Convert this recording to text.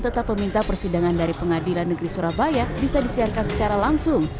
tetap meminta persidangan dari pengadilan negeri surabaya bisa disiarkan secara langsung